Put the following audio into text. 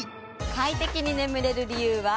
快適に眠れる理由は。